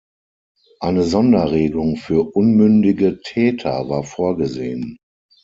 Eine Sonderregelung für unmündige Täter war vorgesehen.